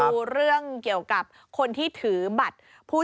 ดูเรื่องเกี่ยวกับคนที่ถือบัตรผู้